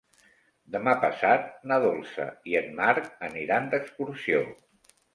Demà passat na Dolça i en Marc aniran d'excursió.